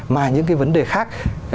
mà những cái vấn đề khác